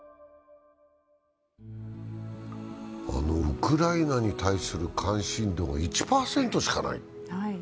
ウクライナに対する関心度が１％しかない。